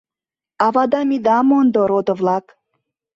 Авадам ида мондо, родо-влак!